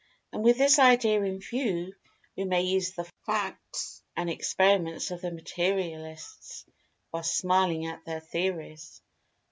And, with this[Pg 217] idea in view, we may use the facts and experiments of the Materialists, while smiling at their theories.